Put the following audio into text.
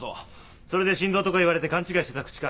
それで神童とか言われて勘違いしてたクチか。